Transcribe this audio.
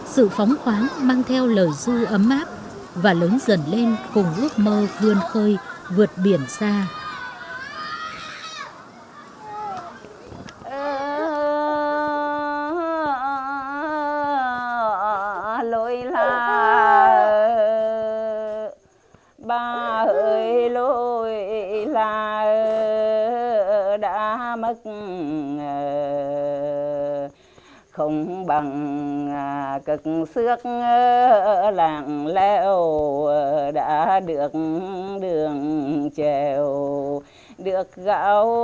sự phóng khoáng mang theo lời ru ấm áp và lớn dần lên cùng ước mơ vươn khơi vượt biển xa